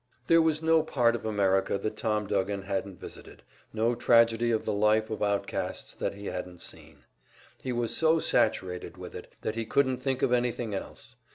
There was no part of America that Tom Duggan hadn't visited, no tragedy of the life of outcasts that he hadn't seen. He was so saturated with it that he couldn't think of anything else.